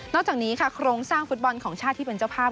จากนี้ค่ะโครงสร้างฟุตบอลของชาติที่เป็นเจ้าภาพ